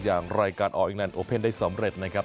อย่างรายการออร์อิแลนดโอเพ่นได้สำเร็จนะครับ